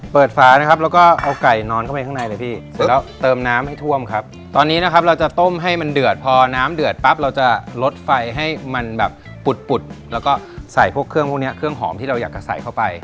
ฝานะครับแล้วก็เอาไก่นอนเข้าไปข้างในเลยพี่เสร็จแล้วเติมน้ำให้ท่วมครับตอนนี้นะครับเราจะต้มให้มันเดือดพอน้ำเดือดปั๊บเราจะลดไฟให้มันแบบปุดปุดแล้วก็ใส่พวกเครื่องพวกเนี้ยเครื่องหอมที่เราอยากจะใส่เข้าไป